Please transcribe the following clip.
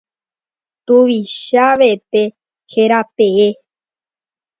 Tuvichavete héra tee.